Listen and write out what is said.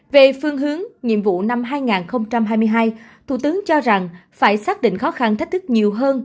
về phương hướng nhiệm vụ năm hai nghìn hai mươi hai thủ tướng cho rằng phải xác định khó khăn thách thức nhiều hơn